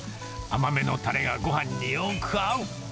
甘めのたれがごはんによく合う。